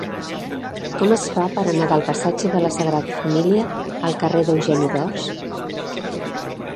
Com es fa per anar del passatge de la Sagrada Família al carrer d'Eugeni d'Ors?